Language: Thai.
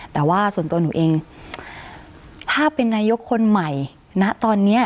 แต่ว่าส่วนตัวหนูเองถ้าเป็นนายกคนใหม่ณตอนนี้